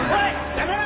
やめろ！